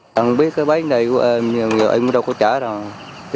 không biết cái bánh này của em em đâu có trả đâu